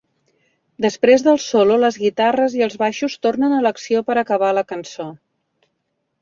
Després del solo les guitarres i els baixos tornen a l'acció per acabar la cançó.